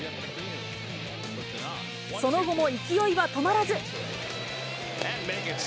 その後も勢いは止まらず。